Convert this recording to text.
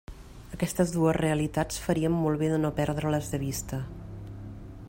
Aquestes dues realitats faríem molt bé de no perdre-les de vista.